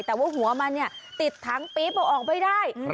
แต่ว่าหัวมันติดทางปี๊บเอาออกไปได้